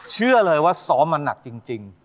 เชื่อเลยว่าซ้อมมาหนักจริง